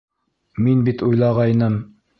Мин бит уйлағайным...